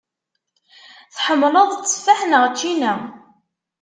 Tḥemmleḍ tteffaḥ neɣ ččina?